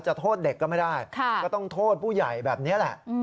โทษเด็กก็ไม่ได้ก็ต้องโทษผู้ใหญ่แบบนี้แหละ